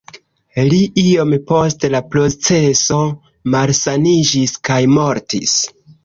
Li iom post la proceso malsaniĝis kaj mortis.